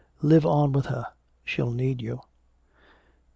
Live on with her. She'll need you."